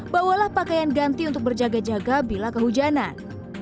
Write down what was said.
bawalah pakaian ganti untuk berjaga jaga bila kehujanan